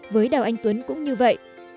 với đào anh tuấn cũng như vậy